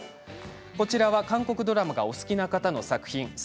こちらは韓国ドラマがお好きな方の作品です。